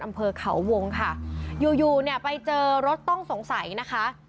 อำเภอเขาวงค่ะอยู่อยู่เนี่ยไปเจอรถต้องสงสัยนะคะ